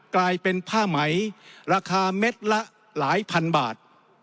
กลายเป็นผ้าไหมราคาเม็ดละหลายพันบาท